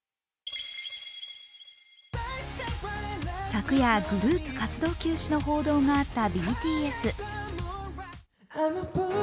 昨夜グループ活動休止の報道があったＢＴＳ。